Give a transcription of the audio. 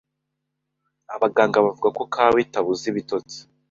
abaganga bavuga ko kawa itabuza ibitotsi